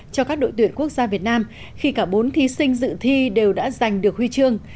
cho các đội tuyển quốc gia việt nam khi cả bốn thí sinh dự thi đều đã giành được huy chương